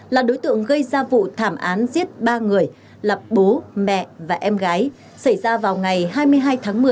là đối tượng gây ra vụ thảm án giết ba người là bố mẹ và em gái xảy ra vào ngày hai mươi hai tháng một mươi